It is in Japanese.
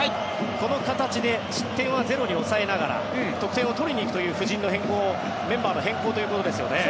この形で失点は０に抑えながら得点を取りに行くという布陣の変更メンバーの変更ということですね。